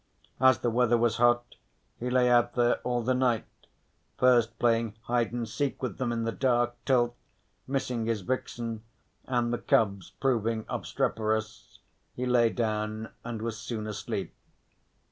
As the weather was hot he lay out there all the night, first playing hide and seek with them in the dark till, missing his vixen and the cubs proving obstreperous, he lay down and was soon asleep.